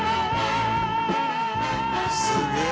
「すげえ！」